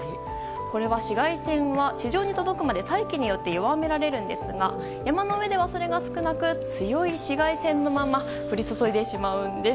これは紫外線は地上に届くまで大気によって弱められるのですが山の上ではそれが少なく強い紫外線のまま降り注いでしまうからです。